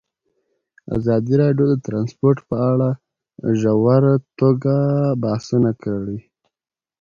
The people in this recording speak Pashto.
ازادي راډیو د ترانسپورټ په اړه په ژوره توګه بحثونه کړي.